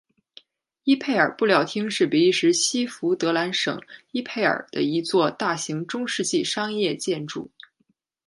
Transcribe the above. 伊佩尔布料厅是比利时西佛兰德省伊佩尔的一座大型中世纪商业建筑。